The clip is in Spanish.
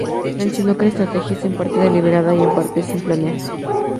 Mencionó que la estrategia es en parte deliberada y en parte sin planear.